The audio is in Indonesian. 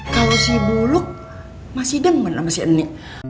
kalau si buluk masih demen sama si ini